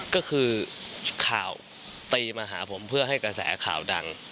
ก็คือข่าวตีมาหาผมเพื่อให้กระแสข่าวดัง